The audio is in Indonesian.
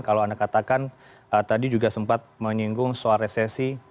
kalau anda katakan tadi juga sempat menyinggung soal resesi